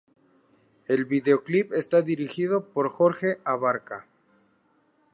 El videoclip está dirigido por Jorge Abarca.